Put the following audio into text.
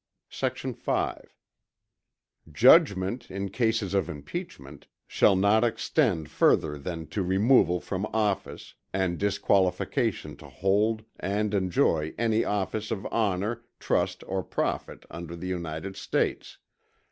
Sect. 5. Judgment, in cases of Impeachment, shall not extend further than to removal from office, and disqualification to hold and enjoy any office of honour, trust or profit under the United States.